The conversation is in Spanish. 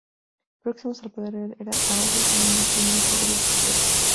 Próximos al poder real, eran a ojos del monarca administradores eficaces.